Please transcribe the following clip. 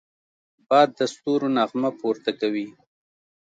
باد د ستورو نغمه پورته کوي